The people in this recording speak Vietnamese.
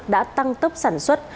đã tăng tốc sản xuất